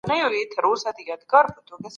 د نورو خبرو ته به په پوره پاملرنه غوږ ږدئ.